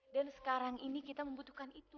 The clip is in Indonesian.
dan sekarang ini kita membutuhkan itu